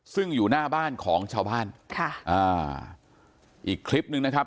ซึ่งอยู่หน้าบ้านของชาวบ้านค่ะอ่าอีกคลิปหนึ่งนะครับ